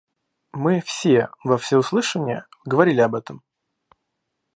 Мы все во всеуслышание говорили об этом.